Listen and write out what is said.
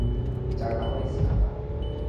চারটা পাইছি আমরা।